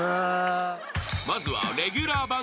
［まずは］